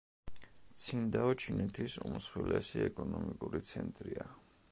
ცინდაო ჩინეთის უმსხვილესი ეკონომიკური ცენტრია.